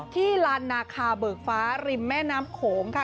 ลานนาคาเบิกฟ้าริมแม่น้ำโขงค่ะ